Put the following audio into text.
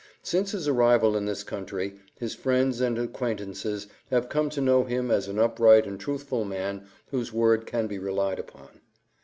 Since his arrival in this country his friends and acquaintances have come to know him as an upright and truthful man whose word can be relied upon.